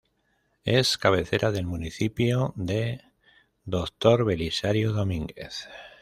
Es cabecera del municipio de Dr. Belisario Domínguez.